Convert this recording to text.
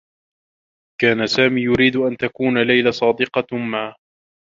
كان سامي يريد أن تكون ليلى صادقة معه.